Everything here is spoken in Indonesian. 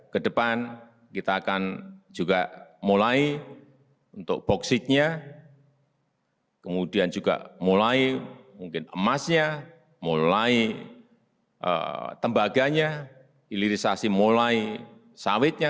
kedepan kita akan juga mulai untuk boksitnya kemudian juga mulai mungkin emasnya mulai tembaganya hilirisasi mulai sawitnya